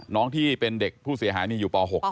ที่เป็นเด็กผู้เสียหายนี่อยู่ป๖